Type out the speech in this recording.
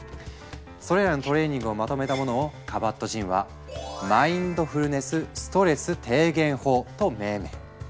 それらのトレーニングをまとめたものをカバットジンは「マインドフルネスストレス低減法」と命名。